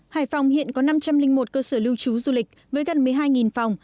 hải phòng hiện có năm trăm linh một cơ sở lưu trú du lịch với gần một mươi hai phòng